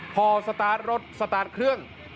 พอสตาร์ทรถสตาร์ทเครื่อง